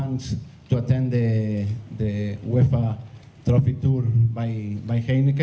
untuk menghadiri tur trofi uefa oleh heineken